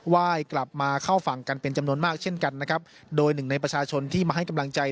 ว่ายกลับมาเข้าฝั่งกันเป็นจำนวนมากเช่นกันนะครับโดยหนึ่งในประชาชนที่มาให้กำลังใจ